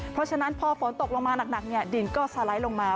เพราะฉะนั้นพอฝนตกลงมาหนักดินก็สไลด์ลงมา